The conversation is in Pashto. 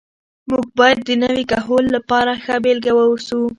موږ باید د نوي کهول لپاره ښه بېلګه واوسو.